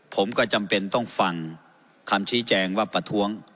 ผมก็จำเป็นต้องฟังคำชี้แจงว่าประท้วง